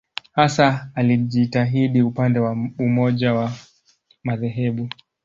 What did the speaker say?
Hasa alijitahidi upande wa umoja wa madhehebu.